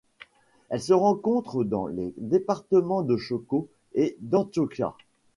Elle se rencontre dans les départements de Chocó et d'Antioquia.